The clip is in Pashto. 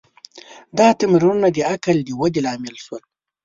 دا تمرینونه د عقل د ودې لامل شول.